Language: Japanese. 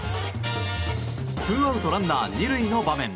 ツーアウトランナー２塁の場面。